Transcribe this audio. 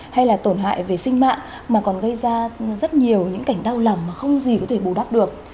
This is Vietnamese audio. hay là tổn hại về sinh mạng mà còn gây ra rất nhiều những cảnh đau lầm mà không gì có thể bù đắp được